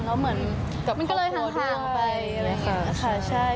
แล้วเหมือนก็เลยห่างไป